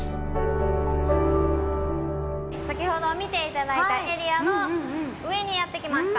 先ほど見て頂いたエリアの上にやって来ました。